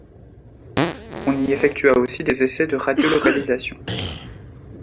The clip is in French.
On y effectua aussi des essais de radio-localisation.